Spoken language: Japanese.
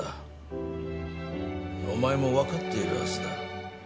お前も分かっているはずだ。